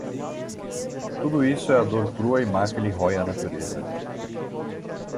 tudo isso é a dor crua e má que lhe rói à Natureza